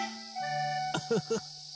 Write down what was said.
ウフフ。